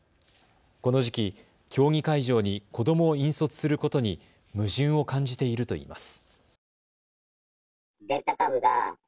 この時期、競技会場に子どもを引率することに矛盾を感じているといいます。